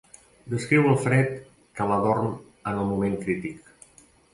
Descriu el fred que l'adorm en el moment crític.